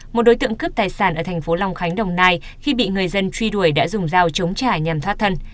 một đối tượng cướp tài sản ở thành phố long khánh đồng nai khi bị người dân truy đuổi đã dùng dao chống trả nhằm thoát thân